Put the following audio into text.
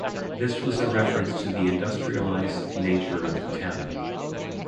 This was a reference to the industrialized nature of the town.